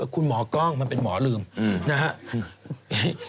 คุณหมอกล้องมันเป็นหมอลืมนะครับ